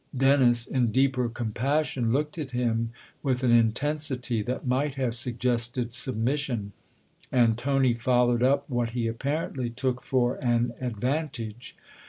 Dennis, in deeper compassion, looked at him with an intensity that might have suggested submission, and Tony followed up what he apparently took for an advantage.